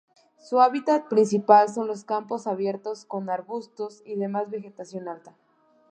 Su hábitat principal son los campos abiertos con arbustos y demás vegetación alta.